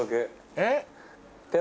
えっ？